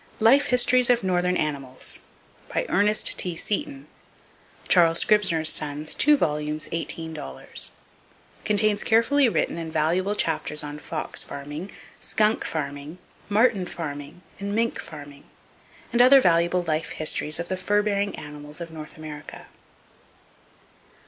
"Life Histories of Northern Animals", by Ernest T. Seton (Charles Scribner's Sons, 2 volumes, $18), contains carefully written and valuable chapters on fox farming, skunk farming, marten farming, and mink farming, and other valuable life histories of the fur bearing animals of North America.